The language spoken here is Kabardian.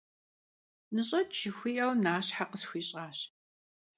«Ныщӏэкӏ!» - жыхуиӏэу, нащхьэ къысхуищӏащ.